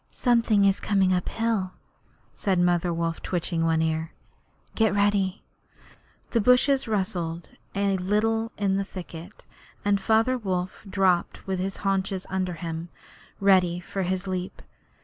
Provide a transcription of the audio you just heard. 'Something is coming up hill,' said Mother Wolf, twitching one ear. 'Get ready.' The bushes rustled a little in the thicket, and Father Wolf dropped with his haunches under him, ready for his leap.